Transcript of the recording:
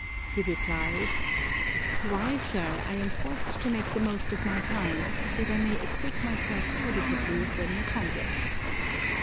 He replied, "Why, sir, I am forced to make the most of my time, that I may acquit myself creditably when in Congress."